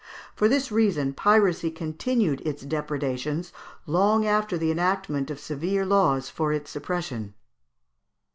For this reason piracy continued its depredations long after the enactment of severe laws for its suppression.